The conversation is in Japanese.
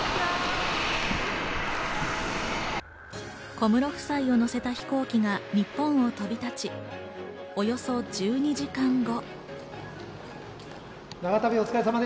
小室夫妻を乗せた飛行機が日本を飛び立ち、およそ１２時間後。